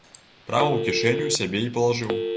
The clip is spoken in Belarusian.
Прама ў кішэню сабе й палажыў.